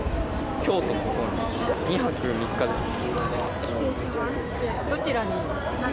京都に２泊３日ですね。